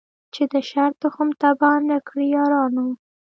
چي د شر تخم تباه نه کړی یارانو